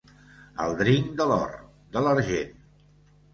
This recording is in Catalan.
El dring de l'or, de l'argent.